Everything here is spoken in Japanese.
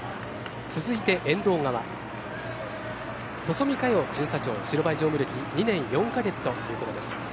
続いて沿道側、細見佳世巡査長白バイ乗務歴２年４か月ということです。